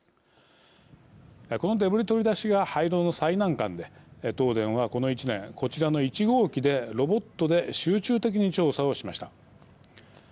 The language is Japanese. このデブリ取り出しが廃炉の最難関で、東電はこの１年こちらの１号機でロボットで集中的に調査をしました。